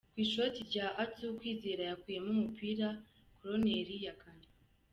Ku ishoti rya Atsu, Kwizera yakuyemo umupira, koroneri ya Ghana.